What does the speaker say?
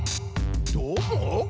どーも？